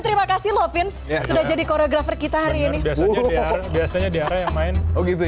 terima kasih loh vince sudah jadi koreografer kita hari ini biasanya diarah yang main oh gitu